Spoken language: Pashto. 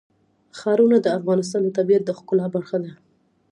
ښارونه د افغانستان د طبیعت د ښکلا برخه ده.